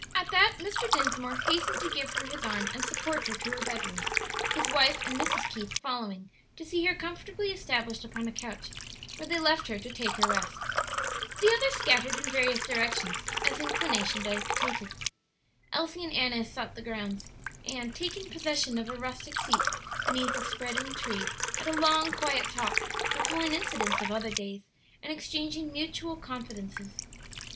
At that Mr. Dinsmore hastened to give her his arm and support her to her bedroom, his wife and Mrs. Keith following to see her comfortably established upon a couch, where they left her to take her rest. The others scattered in various directions, as inclination dictated. Elsie and Annis sought the grounds, and, taking possession of a rustic seat beneath a spreading tree, had a long, quiet talk, recalling incidents of other days, and exchanging mutual confidences.